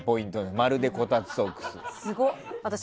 まるでこたつソックス。